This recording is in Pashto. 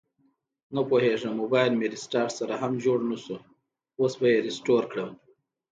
نپوهیږم مبایل مې ریسټارټ سره هم جوړ نشو، اوس به یې ریسټور کړم